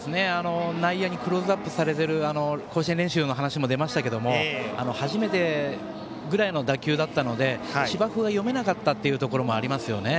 内野にクローズアップされている甲子園練習の話も出ましたけど初めてぐらいの打球だったので芝生が読めなかったというところもありますよね。